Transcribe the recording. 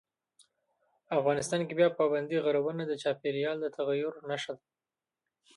افغانستان کې پابندي غرونه د چاپېریال د تغیر نښه ده.